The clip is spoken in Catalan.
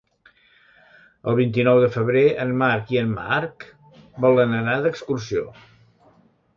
El vint-i-nou de febrer en Marc i en Marc volen anar d'excursió.